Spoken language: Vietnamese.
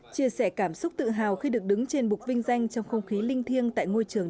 chia sẻ cảm xúc tự hào khi được đứng trên bục vinh danh trong không khí linh thiêng tại ngôi trường